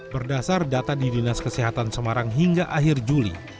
berdasar data di dinas kesehatan semarang hingga akhir juli